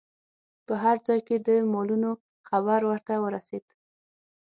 په هر ځای کې د مالونو خبر ورته ورسید.